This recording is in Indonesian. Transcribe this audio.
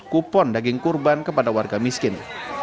enam ratus kupon daging kurban kepada warga miskin